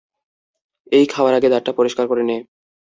এই, খাওয়ার আগে দাঁতটা পরিষ্কার করে নে।